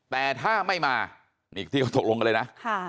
แต่ถ้าไม่มานี่ที่เขาตกลงกันเลยนะ